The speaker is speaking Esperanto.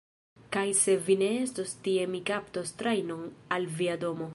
Kaj se vi ne estos tie mi kaptos trajnon al via domo!